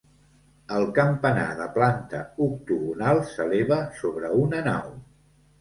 El campanar, de planta octogonal, s'eleva sobre una nau.